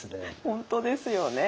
本当ですよね。